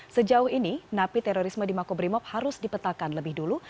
sejauh ini napi terorisme di makobrimob harus dipetakan lebih dulu